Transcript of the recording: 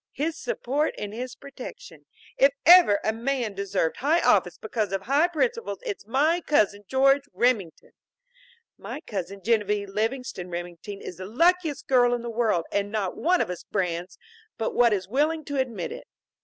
"'His support and his protection.' If ever a man deserved high office because of high principles, it's my cousin George Remington! My cousin Genevieve Livingston Remington is the luckiest girl in the world, and not one of us Brands but what is willing to admit it.